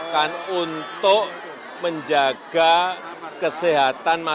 kan untuk menjaga kesehatan masyarakat